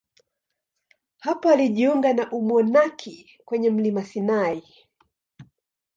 Hapo alijiunga na umonaki kwenye mlima Sinai.